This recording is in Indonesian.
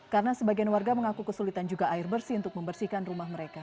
karena sebagian warga mengaku kesulitan juga air bersih untuk membersihkan rumah mereka